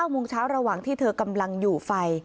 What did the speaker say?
โมงเช้าระหว่างที่เธอกำลังอยู่ไฟ